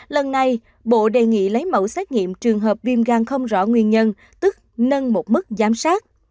lần này bộ đề nghị lấy mẫu xét nghiệm trường hợp viêm gan không rõ nguyên nhân tức nâng một mức giám sát